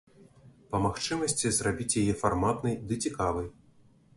Па магчымасці, зрабіць яе фарматнай ды цікавай.